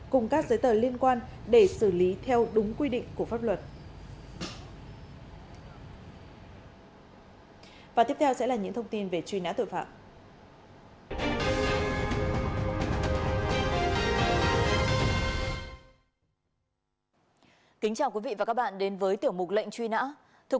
cùng các giấy tờ liên quan để xử lý theo đúng quy định của pháp luật